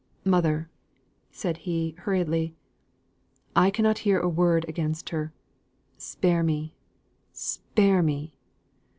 "Mother!" said he, hurriedly, "I cannot hear a word against her. Spare me, spare me!